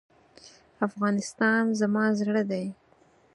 افغانستان زما زړه دی.